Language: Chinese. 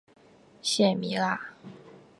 谢米拉。